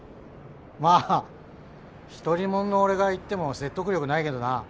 まあ一人もんの俺が言っても説得力ないけどな。